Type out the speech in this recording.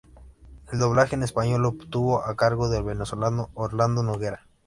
El doblaje en español estuvo a cargo del venezolano Orlando Noguera.